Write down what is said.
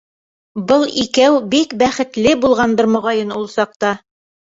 Был икәү бик бәхетле булғандыр, моғайын, ул саҡта.